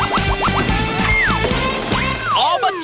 ออบจภาษาโดรกิจ